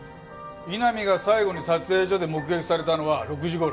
井波が最後に撮影所で目撃されたのは６時頃。